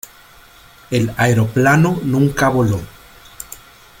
El aeroplano nunca voló.